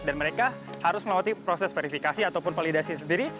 dan mereka harus melalui proses verifikasi ataupun validasi sendiri